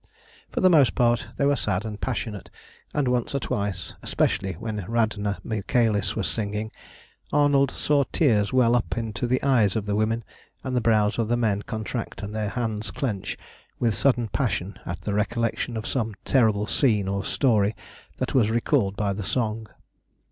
For the most part they were sad and passionate, and once or twice, especially when Radna Michaelis was singing, Arnold saw tears well up into the eyes of the women, and the brows of the men contract and their hands clench with sudden passion at the recollection of some terrible scene or story that was recalled by the song.